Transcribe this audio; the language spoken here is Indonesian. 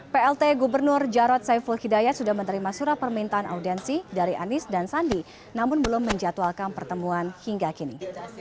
plt gubernur jarod saiful hidayat sudah menerima surat permintaan audiensi dari anies dan sandi namun belum menjatuhkan pertemuan hingga kini